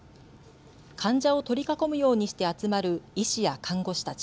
患者を取り囲むようにして集まる医師や看護師たち。